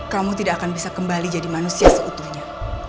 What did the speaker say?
kamu tidak akan bisa kembali jadi manusia seutuhnya